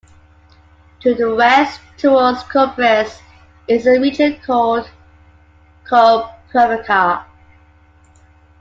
To the west towards Kupres is a region called Koprivica.